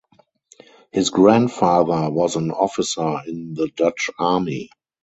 His grandfather was an officer in the Dutch Army.